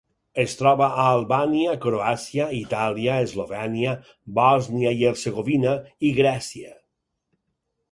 Es troba a Albània, Croàcia, Itàlia, Eslovènia, Bòsnia i Hercegovina i Grècia.